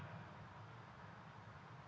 perkembangan investasi indonesia